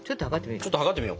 ちょっと測ってみる？